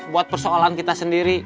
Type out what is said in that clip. buat persoalan kita sendiri